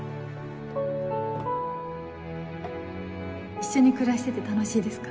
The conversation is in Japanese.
一緒に暮らしてて楽しいですか？